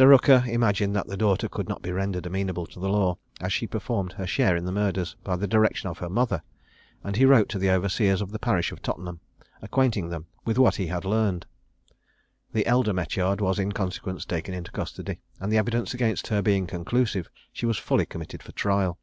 Rooker imagined that the daughter could not be rendered amenable to the law, as she performed her share in the murders by the direction of her mother, and he wrote to the overseers of the parish of Tottenham, acquainting them with what he had learned. The elder Metyard was in consequence taken into custody; and the evidence against her being conclusive, she was fully committed for trial.